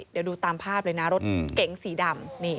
เดี๋ยวดูตามภาพเลยนะรถเก๋งสีดำ